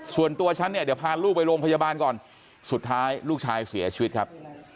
ส่วนตัวฉันเนี่ยเดี๋ยวพาลูกไปโรงพยาบาลก่อนสุดท้ายลูกชายเสียชีวิตครับ